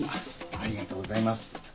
ありがとうございます。